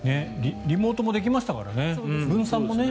リモートもできましたからね、分散もね。